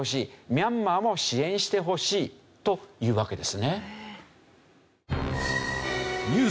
ミャンマーも支援してほしいというわけですね。